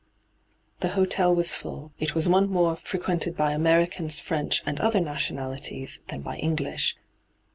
The hotel was fiill. It was one more frequented by Americans, French, and other nationalities, than by English.